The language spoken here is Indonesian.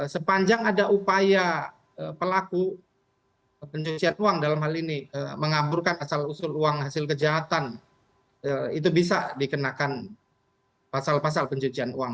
sepanjang ada upaya pelaku pencucian uang dalam hal ini mengaburkan asal usul uang hasil kejahatan itu bisa dikenakan pasal pasal pencucian uang